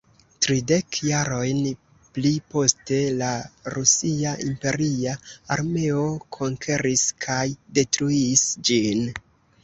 Tridek jarojn pli poste, la rusia imperia armeo konkeris kaj detruis ĝin.